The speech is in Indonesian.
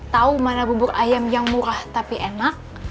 tahu mana bubur ayam yang murah tapi enak